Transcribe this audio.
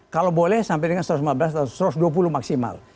kalau boleh sampai dengan satu ratus lima belas atau satu ratus dua puluh maksimal